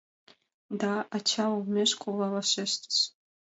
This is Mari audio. — Да, — ача олмеш кова вашештыш.